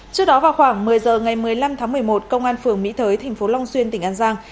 trước đó vào khoảng một mươi giờ ngày một mươi năm tháng một mươi một công an phường mỹ thới thành phố long xuyên tỉnh an giang